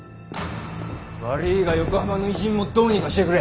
悪ぃが横浜の異人もどうにかしてくれ。